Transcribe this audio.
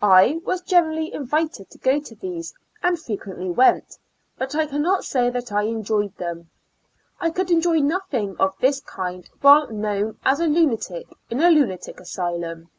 I was generally invited to go to these, and frequently went, but I cannot .say that I enjoyed them, I could enjoy nothing of this kind while known as a lunatic, in a lunatic asylum.